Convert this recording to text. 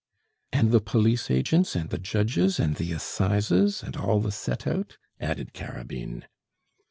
"And the police agents, and the judges, and the assizes, and all the set out?" added Carabine.